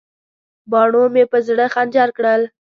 باڼو مې په زړه خنجر کړل.